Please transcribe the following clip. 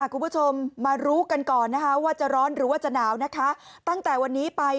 คุณผู้ชมมารู้กันก่อนนะคะว่าจะร้อนหรือว่าจะหนาวนะคะตั้งแต่วันนี้ไป